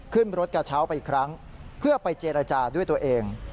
ขึ้นรถกระเช้าไปอีกครั้งเพื่อไปเจรจาด้วยตัวเอง